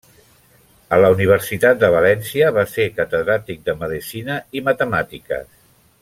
A la Universitat de València va ser catedràtic de medicina i matemàtiques.